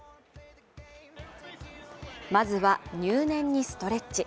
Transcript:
まずは入念にストレッチ。